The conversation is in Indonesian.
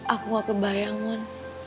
aku gak kebayang mohon